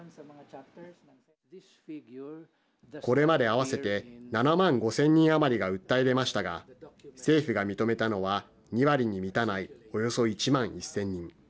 これまで合わせて７万５０００人余りが訴え出ましたが政府が認めたのは２割に満たないおよそ１万１０００人。